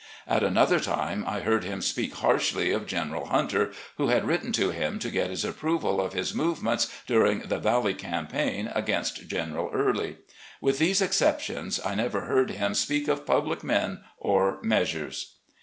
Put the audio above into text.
At another time I heard him speak harshly of General Hunter, who had written to him to get his approval of his movements, during the Valley Campaign, against General Early. With these exceptions, I never heard him speak of public men or measures."